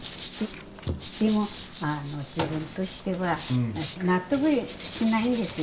でもあの自分としては納得しないんですよ